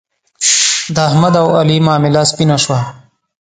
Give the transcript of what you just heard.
د احمد او علي معامله سپینه شوه.